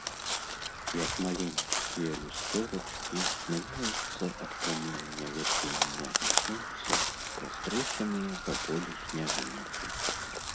Як маленечкія люстэрачкі, мяняюцца ад прамення вясенняга сонца растрэсеныя па полі сняжынкі.